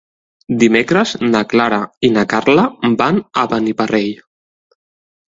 Dimecres na Clara i na Carla van a Beniparrell.